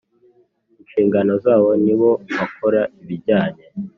Inshingano zabo ni bo bakora ibijyanye